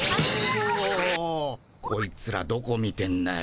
こいつらどこ見てんだよ？